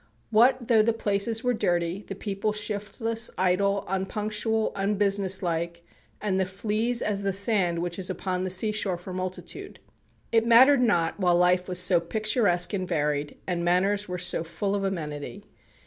What though the places were dirty, the people shiftless, idle, unpunctual, unbusinesslike, and the fleas as the sand which is upon the sea shore for multitude? It mattered not while life was so picturesque and varied, and manners were so full of amenity.